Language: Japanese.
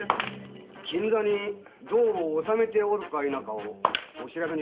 金座に銅を納めておるか否かをお調べのようでした。